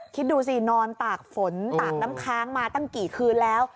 คิดดูสินอนตากฝนตากน้ำค้างมาตั้งกี่คืนแล้ว